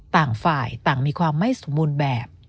ต่างฝ่ายต่างมีความไม่สมบูรณ์แบบ